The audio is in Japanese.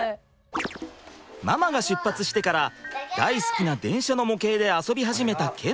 ママが出発してから大好きな電車の模型で遊び始めた賢澄ちゃん。